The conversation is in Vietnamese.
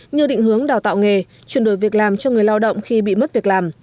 như định hướng đào tạo nghề chuyển đổi việc làm cho người lao động khi bị mất việc làm